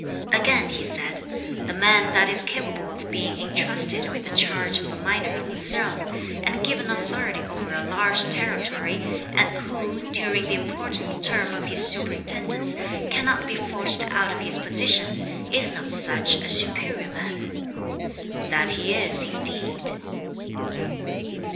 Again he said: "The man that is capable of being intrusted with the charge of a minor on the throne, and given authority over a large territory, and who, during the important term of his superintendence cannot be forced out of his position, is not such a 'superior man'? That he is, indeed."